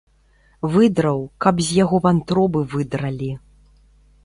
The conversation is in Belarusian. Выдраў, каб з яго вантробы выдралі.